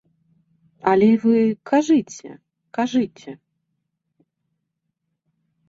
Але вы кажыце, кажыце.